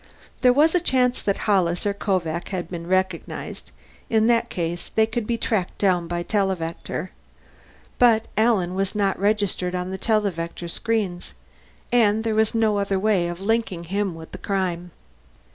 There was a chance that Hollis or Kovak had been recognized; in that case, they could be tracked down by televector. But Alan was not registered on the televector screens and there was no other way of linking him with the crime.